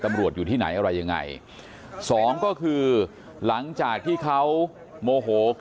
มีกล้วยติดอยู่ใต้ท้องเดี๋ยวพี่ขอบคุณ